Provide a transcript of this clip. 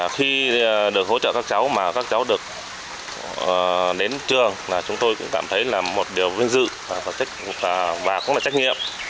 khi được hỗ trợ các cháu mà các cháu được đến trường là chúng tôi cũng cảm thấy là một điều vinh dự và cũng là trách nhiệm